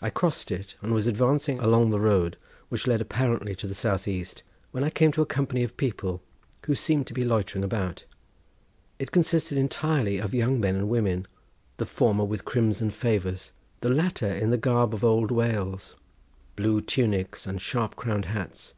I crossed it, and was advancing along the road which led apparently to the south east, when I came to a company of people who seemed to be loitering about. It consisted entirely of young men and women, the former with crimson favours, the latter in the garb of old Wales, blue tunics and sharp crowned hats.